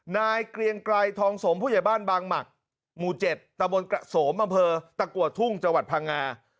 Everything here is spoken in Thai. นายเกรียงไกรทองสมผู้ใหญ่บ้านบางหมักหมู่๗ตะบนกระโสมอำเภอตะกัวทุ่งจังหวัดพังงา